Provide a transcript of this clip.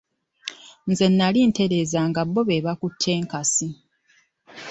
Nze nali ntereeza nga bo be bakutte enkasi.